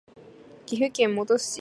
岐阜県本巣市